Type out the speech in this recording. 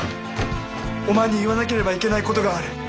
お前に言わなければいけないことがある！